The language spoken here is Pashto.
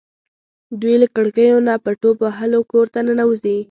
دوی له کړکیو نه په ټوپ وهلو کور ته ننوځي.